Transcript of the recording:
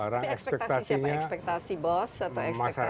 tapi ekspektasi siapa ekspektasi bos atau ekspektasi